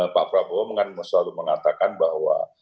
pak prabowo selalu mengatakan bahwa